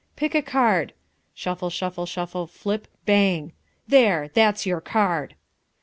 Pick a card. (Shuffle, shuffle, shuffle flip, bang.) There, that's your card."